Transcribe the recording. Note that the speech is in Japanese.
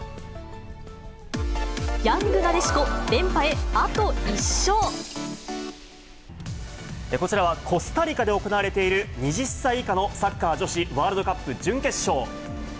ヤングなでしこ、こちらは、コスタリカで行われている２０歳以下のサッカー女子ワールドカップ準決勝。